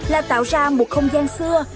là tạo ra một không gian xưa